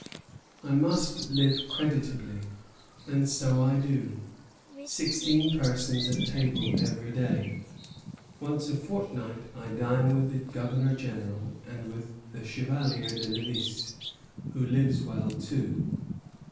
"I must live creditably, and so I do; sixteen persons at table every day. Once a fortnight I dine with the Governor General and with the Chevalier de Lévis, who lives well too.